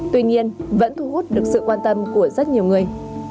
tuy nhiên vẫn thu hút được sự quan tâm của rất nhiều người